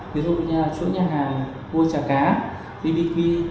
ví dụ như là chỗ nhà hàng khu chả cá bbq